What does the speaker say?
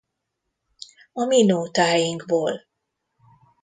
A mi nótáinkból.